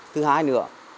thứ hai nữa